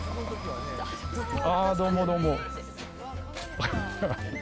ああ、どうも、どうも。